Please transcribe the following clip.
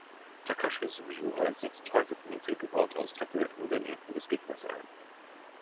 Takashi Sugiura setzt häufig niedrige Roundhouse-Tritte in den Rücken des Gegners ein.